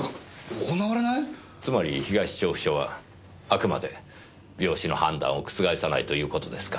つまり東調布署はあくまで病死の判断を覆さないという事ですか。